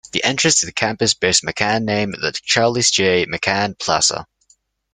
The entrance to the campus bears McCann's name, the Charles J. McCann plaza.